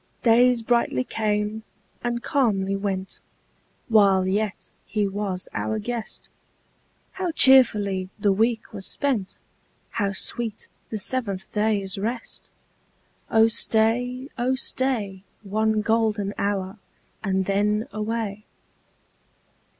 Days brightly came and calmly went, While yet he was our guest ; How cheerfully the week was spent ! How sweet the seventh day's rest ! Oh stay, oh stay. One golden hour, and then away.